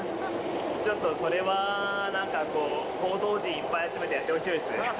ちょっとそれはなんか、報道陣いっぱい集めてやってほしいです。